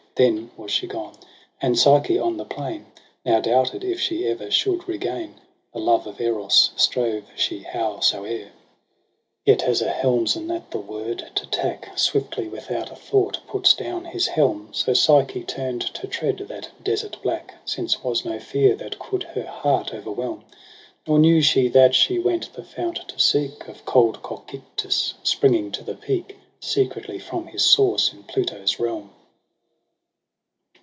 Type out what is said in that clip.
Then was she gone • and Psyche on the plain Now doubted if she ever should regain The love of Eros, strove she howsoe'er. ij)0 EROS ^ PSYCHE Yet as a helmsman, at the word to tack, Swiftly without a thought puts down his helm. So Psyche turn'd to tread that desert black. Since was no fear that coud her heart o'erwhelm ; Nor knew she that she went the fount to seek Of cold Cocytus, springing to the peak, Secretly from his source in Pluto's realm.